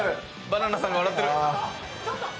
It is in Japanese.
バナナさんが笑ってる。